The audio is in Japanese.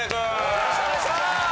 よろしくお願いします！